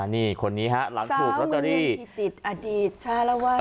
นี่คนนี้ฮะหลังถูกล็อตเตอรี่สามเงินพิจิตรอดีตชาวละวัน